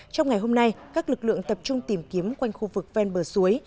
trong ngày hôm nay các lực lượng tập trung tìm kiếm quanh khu vực ven bờ suối